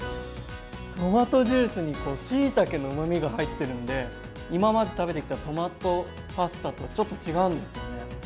トマトジュースにこうしいたけのうまみが入ってるんで今まで食べてきたトマトパスタとはちょっと違うんですよね。